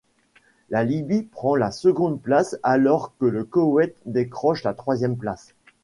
La Libye prend la seconde place alors que le Koweït décroche la troisième place.